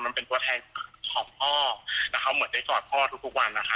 มันเป็นตัวแทนของพ่อแล้วเขาเหมือนได้จอดพ่อทุกวันนะคะ